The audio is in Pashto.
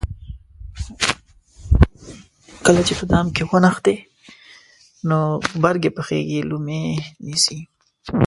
که په دام کې ونښتې نو غبرګې پښې یې لومې نیسي.